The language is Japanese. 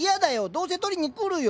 どうせ取りにくるよ。